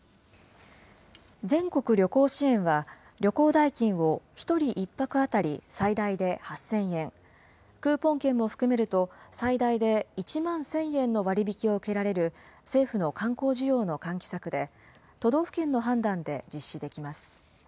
全国旅行支援は、旅行代金を１人１泊当たり最大で８０００円、クーポン券も含めると最大で１万１０００円の割引を受けられる政府の観光需要の喚起策で、都道府県の判断で実施できます。